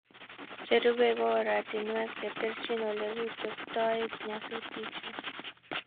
Cherubei ko oratinwek che terchin Ole kichuchuktoi nyasutichu